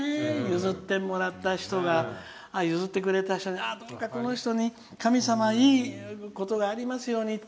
譲ってもらった人が譲ってくれた人にどうかこの人に神様いいことがありますように。